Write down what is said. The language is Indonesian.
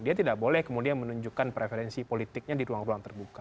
dia tidak boleh kemudian menunjukkan preferensi politiknya di ruang ruang terbuka